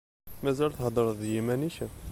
Mazal theddreḍ d yiman-ik?